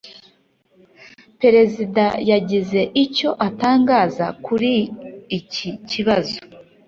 Perezida yagize icyo atangaza kuri iki kibazo.